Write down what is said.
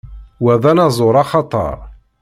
Wa d anaẓur axatar.